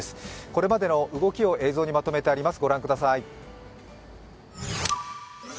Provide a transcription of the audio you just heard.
これまでの動きを映像にまとめてあります。